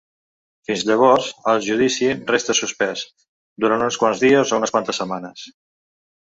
Fins llavors, el judici resta suspès, durant uns quants dies o unes quantes setmanes.